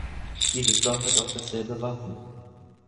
Dieses Dorf hat auch dasselbe Wappen.